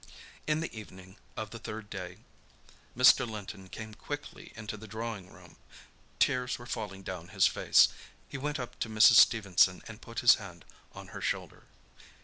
In the evening of the third day Mr. Linton came quickly into the drawing room. Tears were falling down his face. He went up to Mrs. Stephenson and put his hand on her shoulder.